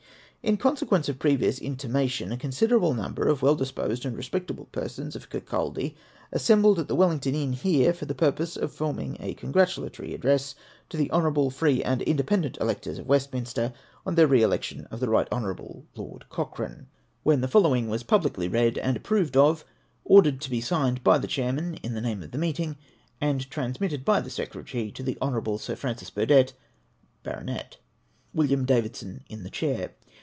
In consequence of previous intimation, a considerable number of the well disposed and respectable inhabitants of Kirkaldy assembled at the Wellington Inn here, for the purpose of forming a congratulatory address to the honourable, free and independent electors of Westminster, on their re election of the Eight Honourable Lord Cochrane ; when the H H 2 468 APPEXDIX XVIL following was publicly read and approved of; ordered to be signed by the chairman in tlie name of the meeting, and transmitted by the secretary to the Honourable Sir Francis Burdett, Barouet. WILLIAM DAVIDSON ill the Ckaiv.